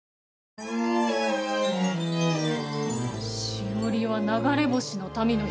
しおりは流れ星の民の姫。